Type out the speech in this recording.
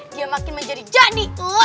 dia makin menjadi jani